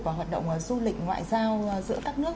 và hoạt động du lịch ngoại giao giữa các nước